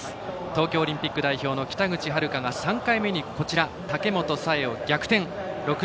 東京オリンピック代表の北口榛花が３回目に武本紗栄を逆転。